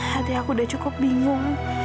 hati aku udah cukup bingung